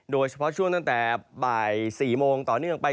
โดยเฉพาะช่วงตั้งแต่บ่าย๔โมงต่อเนื่องไป